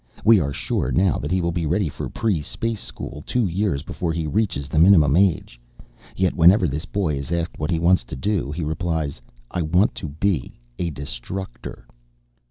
We are sure now that he will be ready for pre space school two years before he reaches the minimum age. Yet, whenever this boy is asked what he wants to do, he replies, 'I want to be a Destructor.'"